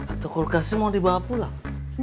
atau kulkasi mau dibawa pulang